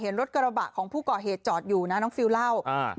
รถกระบะของผู้ก่อเหตุจอดอยู่นะน้องฟิลเล่า